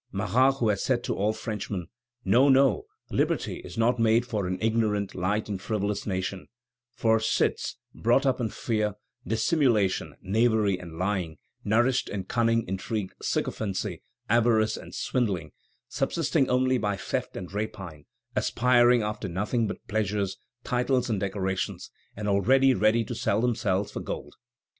" Marat, who had said to all Frenchmen: "No, no; liberty is not made for an ignorant, light, and frivolous nation, for cits brought up in fear, dissimulation, knavery, and lying, nourished in cunning, intrigue, sycophancy, avarice, and swindling, subsisting only by theft and rapine, aspiring after nothing but pleasures, titles, and decorations, and always ready to sell themselves for gold!"